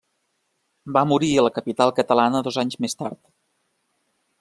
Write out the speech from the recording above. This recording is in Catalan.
Va morir a la capital catalana dos anys més tard.